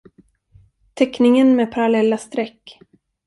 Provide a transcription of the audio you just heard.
Teckningen med parallella streck.